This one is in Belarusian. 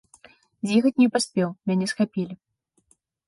З'ехаць не паспеў, мяне схапілі.